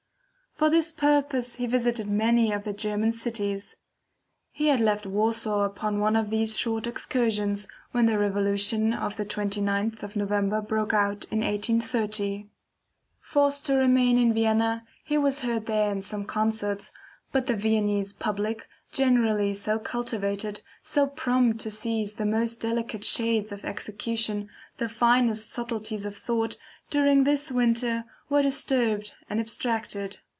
For this purpose he visited many of the German cities. He had left Warsaw upon one of these short excursions, when the revolution of the 29th of November broke out in 1830. Forced to remain in Vienna, he was heard there in some concerts, but the Viennese public, generally so cultivated, so prompt to seize the most delicate shades of execution, the finest subtleties of thought, during this winter were disturbed and abstracted.